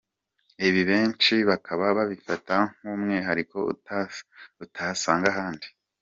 Ibi benshi bakaba babifata nk’umwihariko utasanga handi.